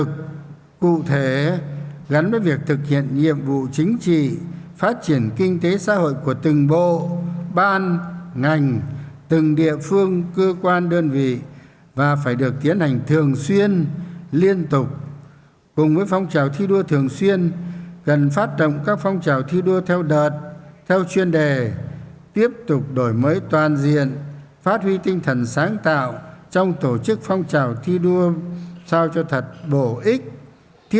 cụ thể gắn với việc thực hiện nhiệm vụ chính trị phát triển kinh tế xã hội của từng bộ ban ngành từng địa phương cơ quan đơn vị và phải được tiến hành thường xuyên liên tục gần phát động các phong trào thi đua theo đợt theo chuyên đề tiếp tục đổi mới toàn diện phát huy tinh thần sáng tạo trong tổ chức phong trào thi đua sao cho thật bổ ích